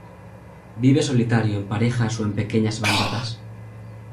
Vive solitario, en parejas o en pequeñas bandadas.